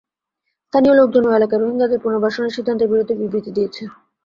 স্থানীয় লোকজন ওই এলাকায় রোহিঙ্গাদের পুনর্বাসনের সিদ্ধান্তের বিরুদ্ধে বিবৃতি দিয়েছে।